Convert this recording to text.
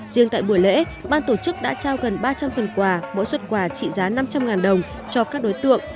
riêng tại buổi lễ ban tổ chức đã trao gần ba trăm linh phần quà mỗi xuất quà trị giá năm trăm linh đồng cho các đối tượng